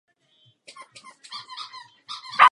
Rád bych se dotkl dalšího velmi důležitého faktoru.